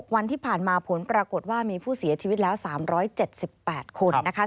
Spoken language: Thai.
วันที่ผ่านมาผลปรากฏว่ามีผู้เสียชีวิตแล้ว๓๗๘คนนะคะ